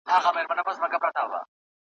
د زمري او ګیدړانو غوړ ماښام وو `